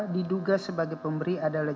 diduga sebagai pemberi adalah